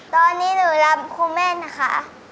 ตอนนี้หนูรับคุณแม่นะคะ